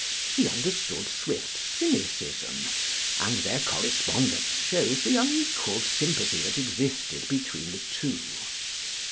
He understood Swift's cynicism, and their correspondence shows the unequaled sympathy that existed between the two.